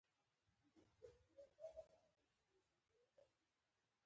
محمد بن قاسم سند ونیو.